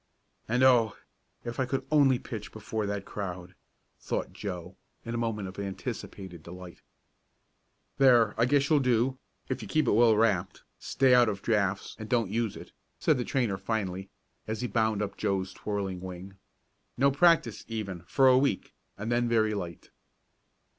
"And, oh! if I could only pitch before that crowd!" thought Joe, in a moment of anticipated delight. "There, I guess you'll do, if you keep it well wrapped up, stay out of draughts and don't use it," said the trainer finally, as he bound up Joe's twirling wing. "No practice, even, for a week, and then very light."